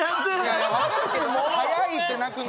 分かるけど早いって泣くの。